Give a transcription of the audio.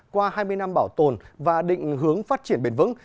qua hai mươi năm bảo tồn và định hướng phát triển bền vững